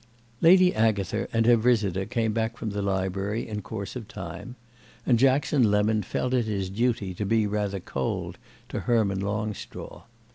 Lady Agatha and her visitor came back from the library in course of time, and Jackson Lemon felt it his duty to be rather cold to Herman Longstraw.